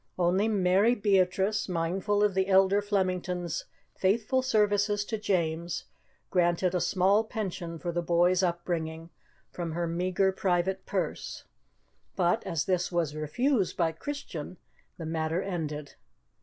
Only Mary Beatrice, mindful of the elder Flemington's faithful services to James, granted a small pension for the boy's upbringing from her meagre private purse; but as this was refused by Christian, the matter ended.